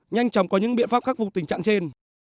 nhanh chóng có những biện pháp khắc phục tình trạng trên